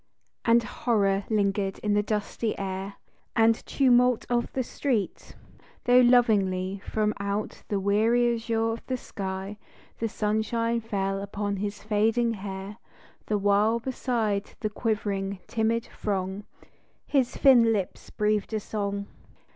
And horror lingered in the dusty air And tumult of the street, though lovingly From out the weary azure of the sky The sunshine fell upon his fading hair, The while beside the quivering, timid throng His thin lips breathed a song.